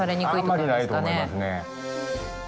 あんまりないと思いますね。